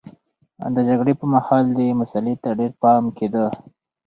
د جګړې پرمهال دې مسئلې ته ډېر پام کېده.